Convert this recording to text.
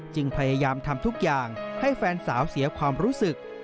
พยายามทำทุกอย่างให้แฟนสาวเสียความรู้สึก